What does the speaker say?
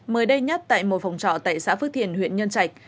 mới đây nhất tại một phòng trọ tại xã phước thiền huyện nhân trạch